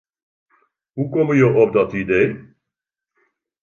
Hoe komme jo op dat idee?